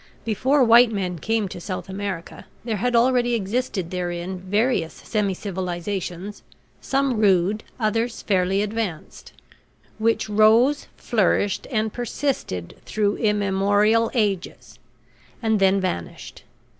Before white men came to South America there had already existed therein various semi civilizations, some rude, others fairly advanced, which rose, flourished, and persisted through immemorial ages, and then vanished.